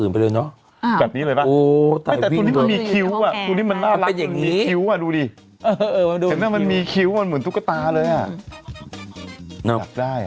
มันมีคิ้วเหมือนทุกตาเลยอ่ะ